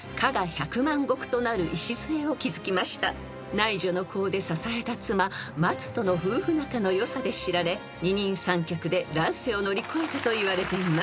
［内助の功で支えた妻まつとの夫婦仲の良さで知られ二人三脚で乱世を乗り越えたといわれています］